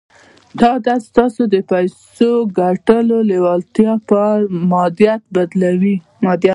دا عادت ستاسې د پيسو ګټلو لېوالتیا پر ماديياتو بدلوي.